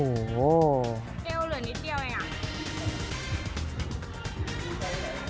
เดี๋ยวเหลือนิดเดียวไง